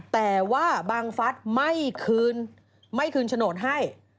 แต่ว่าบังฟัสไม่คืนไม่คืนโฉนดให้